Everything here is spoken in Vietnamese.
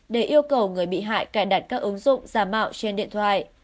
để yêu cầu người bị hại cài đặt các ứng dụng giả mạo trên điện thoại